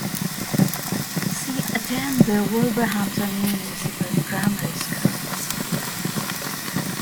She attended the Wolverhampton Municipal Grammar School.